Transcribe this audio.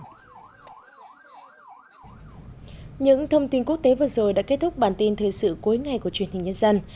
những thông tin quốc tế vừa rồi đã kết thúc bản tin thời sự cuối ngày của truyền hình nhân dân